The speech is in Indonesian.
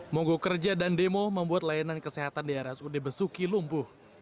mogok kerja dan demo membuat layanan kesehatan di rsud besuki lumpuh